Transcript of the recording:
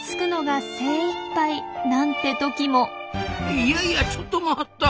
いやいやちょっと待った！